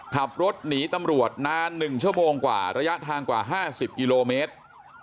ขับรถหนีตำรวจนาน๑ชั่วโมงกว่าระยะทางกว่า๕๐กิโลเมตร